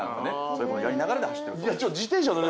そういうものやりながらで走ってると。